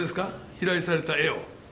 依頼された絵を。